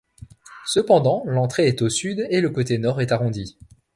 Cependant, l'entrée est au sud et le côté nord est arrondi.